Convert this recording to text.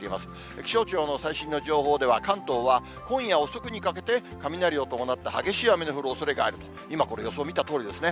気象庁の最新の情報では、関東は今夜遅くにかけて、雷を伴って激しい雨の降るおそれがあると、今、これ、予想見たとおりですね。